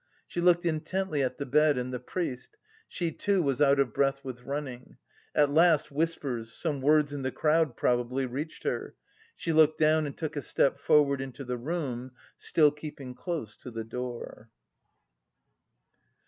She looked intently at the bed and the priest; she too was out of breath with running. At last whispers, some words in the crowd probably, reached her. She looked down and took a step forward into the room, still keeping close to the door.